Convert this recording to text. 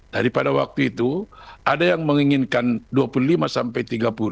daripada waktu itu ada yang menginginkan dua puluh lima sampai tiga puluh